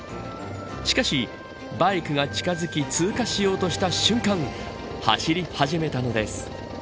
しかし、バイクが近づき通過しようとした瞬間走り始めたのです。